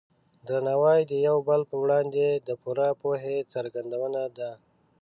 درناوی د یو بل په وړاندې د پوره پوهې څرګندونه ده.